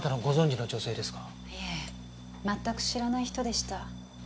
いえ全く知らない人でした。